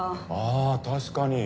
あ確かに。